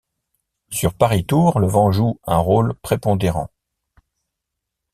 Sur Paris-Tours le vent joue un rôle prépondérant.